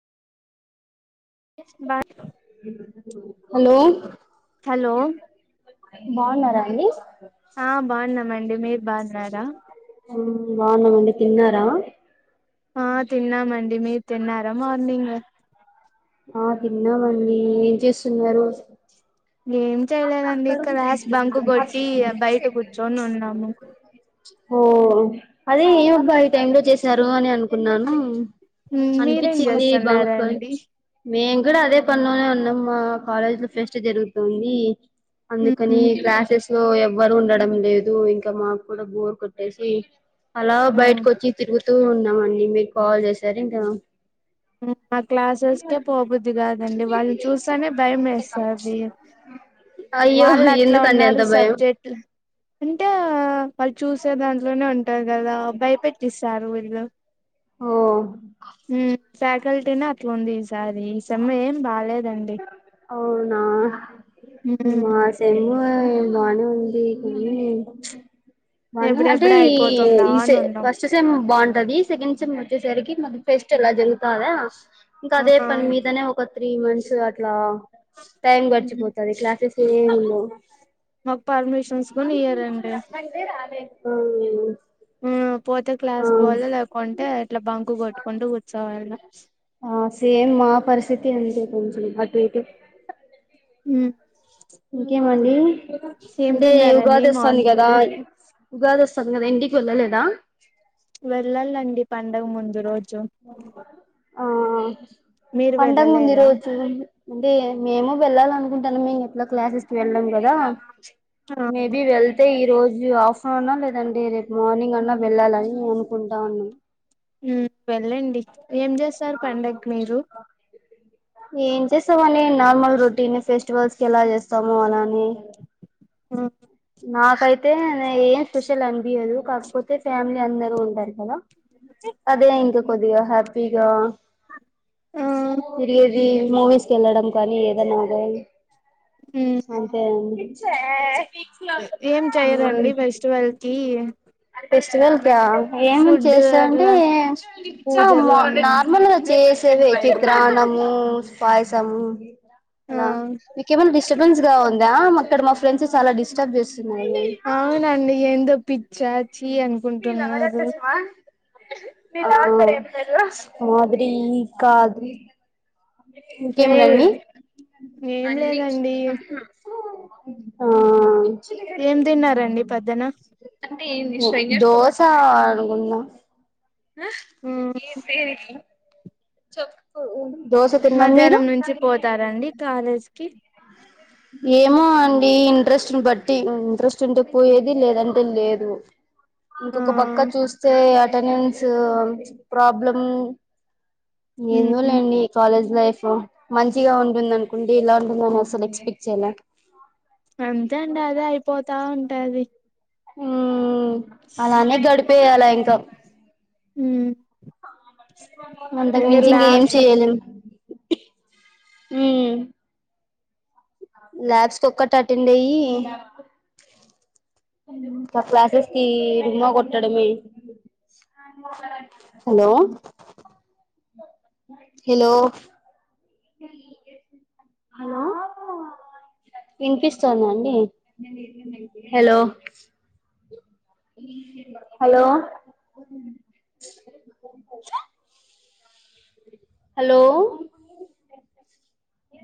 బా hello hello బాగున్నరా అండి? ఆ బాగున్నామండి మీరు బాగున్నారా ఉమ్ బాగున్నామండి తిన్నారా? ఆ తిన్నామండి మీరు తిన్నారా మార్నింగ్ ఆ తిన్నామండి ఏం చేస్తున్నరు? ఏం చేయలేదండి క్లాస్ బంక్ కొట్టి బయట కూర్చొని ఉన్నాము. హో అదే ఏమొబ్బ ఈ టైంలో చేశారు అని అనుకున్నాను మీరేం అనిపిచ్చింది ఈ బంక్ చేస్తున్నారండి చ్ మేము కూడా అదే పనిలోనె ఉన్ మా కాలజ్ ల ఫెస్ట్ జరుగుతుంది అందుకని ఈ క్లాసెస్ సో ఎవ్వరు ఉండడం లేదు ఇంక మాకు కూడా బోర్ కొట్టేసి అలా బయటకు వచ్చి తిరుగుతూ ఉన్నామండి మీరు కాల్ చేశారు ఇంకా మా క్లాసెస్కే పోబుద్ది కాదండి వాళ్ళని చూస్తానే భయం ఎస్తాంది అయ్యో వాళ్ళు అట్ల ఎందుకండి అంత ఉన్నారు భయం సబ్జెక్ట్లు అంటే వాళ్ళు చూసేదాన్ని ఇడనే ఉంటారు కదా భయపెట్టిస్తారు వీళ్ళు హో ఫ్యాకల్టీనా అట్లా ఉంది ఈసారి ఈ సేమ్ ఎం బాలేదు అవునా మా సేమ్ము బానే ఉంది కనీ ప్చ్ మళ్ళీ అంటే ఎప్పుడెప్పుడు ఈ అయిపోతుందా ఈ అని సే ఉన్నాం ఫస్ట్ సేమ్ బాం ది సెకండ్ సిమ్ వచ్చేసరికి మ ఫెస్ట్ ఎలా జరుగుతదా ఇంకా అదే పన్ మీదనే ఒక త్రీ మంత్స్ అట్లా టైం గడిచిపోతది క్లాసెస్ ఎం ఉండవ్ మాకు పర్మిషన్స్ కూన ఇయ్యారండి హ్మ్మ్ హ్మ్ పోతే క్లాస్ బలే లేకుంటే ఇట్లా బంకు కొట్టుకుంటూ కూర్చావ హ్మ్ సేమ్ మా పరిస్థితి అంతే కొంచెం అటు ఇటు హ్మ్ ఇంకేమండి అంటే తిన్నారండి ఉగాది వస్తుంది కదా మార్నింగ్ ఉగాది వస్ కదా మరి ఇంటికి వెళ్ళలేదా వెళ్ళాలండి పండుగ ముందు రోజు అ హ్మ్ మీరు పండగ ముందు వెళ్ళలేదా రోజు అంటే మేము వెళ్ళాల అన్ దన్ మీన్ మేము ఎట్లా క్లాసెస్ కి వెళ్ళం కదా మేబి వెళ్తే ఈరోజు రాజ్ ఆఫ్టర్నూన్న్నా లేదంటే రేపు మార్నింగ్ అన్నా వెళ్ళాలిని నే అనుకుంటా ఉన్నాం హ్మ్ వెళ్లండి ఏం చేస్తారు పండక్కి మీరు ఏం చేస్తామని నార్మల్ రొటీన్ ఫెస్టివల్స్ కి ఎలా చేస్తామో అలానే హ్మ్ నాకైతే ఏం స్పెషల్ అనిపియదు కాకపోతే ఫ్యామిలీ అందరు ఉంటారు కద అదే ఇంకా కొద్దిగ హ్యాపీగా ఆ తిరిగేది ది మూవీస్ వెళ్ళడం కానీ ఏదనా అద అంతే అండి చ్చేయ్ ఏం చెయరండి ఫెస్టివల్ కి ఫెస్టివల్ ఏమ ఫుడ్ చేసావంటే అట్లా పూజలు అన్నీ నార్మల్ గా చేసేవె ఇట్ల ప్రాణము పైసము అలా మీకేమైనా డిస్టర్బెన్స్ గా ఉం ద ఇక్కడ మా ఫ్రెండ్స్ చాల డిస్టర్బ్ చేస్ అవునండి ఏందో పిచ్చాచి అనుకుంటున్నారు అందరు మాదిరి ఇంకా ఏయ్ ఇంకెంటన్డీ ఆ ఏం లేదండి ఏం తిన్నారండి పద్దన దోసా అనుకున్నా ఆ మ్, [unintelligible] చెప్పు మధ్యాహ్నం నుంచి పోతారండి కాలేజ్కి ఏమో అండి ఇంట్రెస్ట్ని బట్టి ఇంట్రెస్ట్ ఉంటే పోయేది లేదంటే లేదు ఆ ఇంకొక పక్క చూస్తే అటెండెన్స్ ప్రాబ్లం ఏందో మ్, లేండి ఇ కాలేజ్ లైఫ్ మంచిగా ఉంటుంది అనుకుంటే ఇలా ఉంటుందని అసలు ఎక్స్పెక్ట్ చేయలే అంతే అండి అదే అయిపోతా ఉంటది ఉ అలానే గడిపేయాలా ఇంకా మ్, అంతకు ఇంగ మించి ఇంక ఏం ల్యాబ్స్ చెయ్యలేం ఉ ల్యాబ్స్కు ఒక్కటి అటెండ్ అయ్యి క్లాసస్కి డుమ్మ గొట్టడమే హలో హిలో వినిపిస్తుందాండి హలో హలో హలో